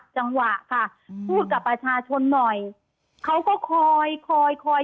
ค่ะอืมพูดกับประชาชนหน่อยเขาก็คอยคอยคอย